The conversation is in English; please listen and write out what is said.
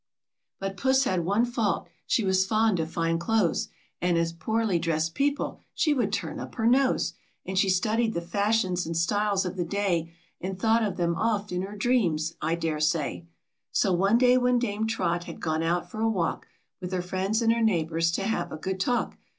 But Puss had one fault; she was fond of fine clothes, And at poorly dressed people would turn up her nose ; And she studied the fashions and styles of the day, And thought of them oft in her dreams, I daresay. So one day when Dame Trot had gone out for a walk, With her friends and her neighbors to have a good talk.